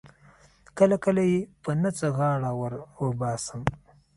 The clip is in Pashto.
کله کله یې په نه څه غاړه ور وباسم.